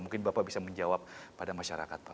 mungkin bapak bisa menjawab pada masyarakat pak